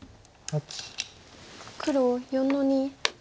黒４の二。